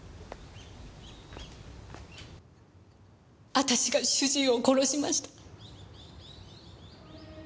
私が主人を殺しました。